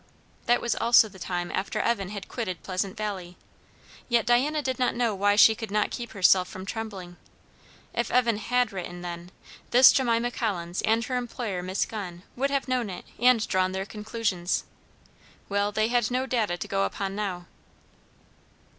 That was also the time after Evan had quitted Pleasant Valley. Yet Diana did not know why she could not keep herself from trembling. If Evan had written, then, this Jemima Collins and her employer, Miss Gunn, would have known it and drawn their conclusions. Well, they had no data to go upon now.